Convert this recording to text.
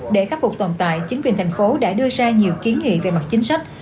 để khắc phục tồn tại chính quyền thành phố đã đưa ra nhiều kiến nghị về mặt chính sách